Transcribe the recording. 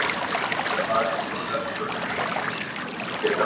ته یې په مسجد او درمسال کي کړې بدل؛